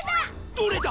どれだ？